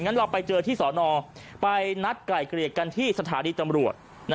เราไปเจอที่สอนอไปนัดไกล่เกลียดกันที่สถานีตำรวจ